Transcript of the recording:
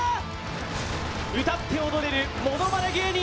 歌って踊れるものまね芸人